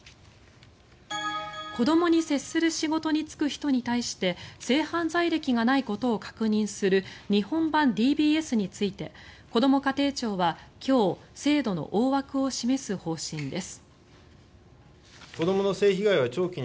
子どもに接する仕事に就く人に対して性犯罪歴がないことを確認する日本版ＤＢＳについてこども家庭庁は今日制度の大枠を示す方針です。